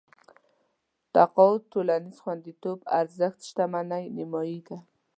تقاعد ټولنيز خونديتوب ارزښت شتمنۍ نيمايي دي.